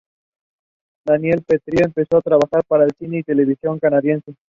Daniel Petrie empezó a trabajar para el cine y la televisión canadiense.